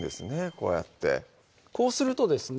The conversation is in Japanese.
こうやってこうするとですね